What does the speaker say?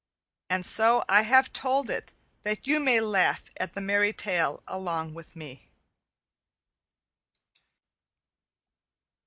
And so I have told it that you may laugh at the merry tale along with me.